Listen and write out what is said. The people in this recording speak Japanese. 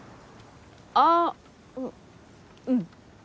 あっううん。